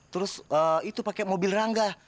terus itu pakai mobil rangga